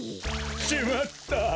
しまった！